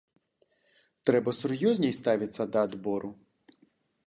Трэба сур'ёзней ставіцца да адбору.